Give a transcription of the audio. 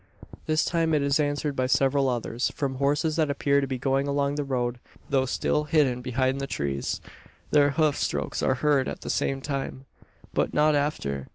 This time it is answered by several others, from horses that appear to be going along the road though still hidden behind the trees. Their hoof strokes are heard at the same time. But not after.